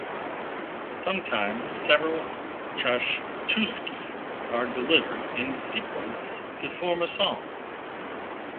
Sometimes several chastushki are delivered in sequence to form a song.